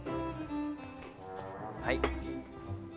「はい」